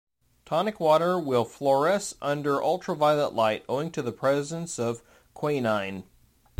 Tonic water will fluoresce under ultraviolet light, owing to the presence of quinine.